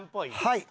はい。